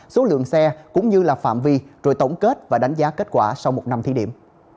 số lượng xe cũng như là phạm vi rồi tổng kết và đánh giá kết quả sau một năm thí điểm